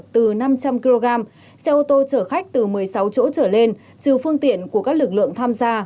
từ năm trăm linh kg xe ô tô chở khách từ một mươi sáu chỗ trở lên trừ phương tiện của các lực lượng tham gia